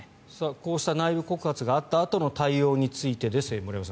こうした内部告発があったあとの対応について。